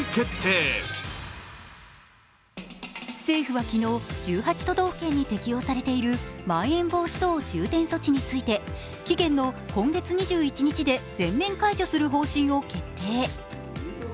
政府は昨日、１８都道府県に適用されているまん延防止等重点措置について、期限の今月２１日で全面解除する方針を決定。